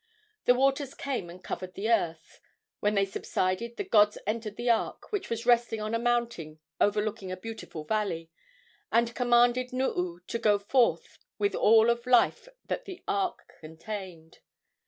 The waters came and covered the earth. When they subsided the gods entered the ark, which was resting on a mountain overlooking a beautiful valley, and commanded Nuu to go forth with all of life that the ark contained.